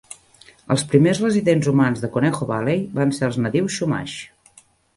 Els primers residents humans de Conejo Valley van ser els nadius chumash.